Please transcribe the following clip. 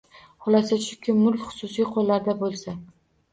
Xulosa shuki, mulk xususiy qo‘llarda bo‘lsa